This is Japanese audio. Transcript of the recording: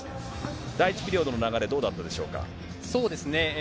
第１ピリオドの流れ、どうだったそうですね。